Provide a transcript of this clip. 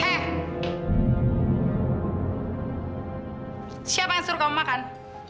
eh siapa yang suruh kamu makan